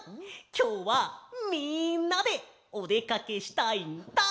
きょうはみんなでおでかけしたいんだ！